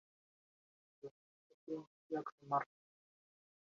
Tras la frustración, Jack se marcha.